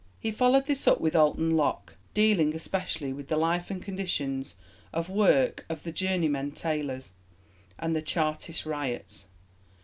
He followed this up with Alton Locke, dealing especially with the life and conditions of work of the journeymen tailors, and the Chartist riots.